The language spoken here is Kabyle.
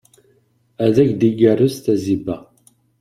Ad ak-d-igerrez tazziba.